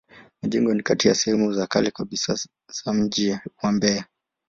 Majengo ni kati ya sehemu za kale kabisa za mji wa Mbeya.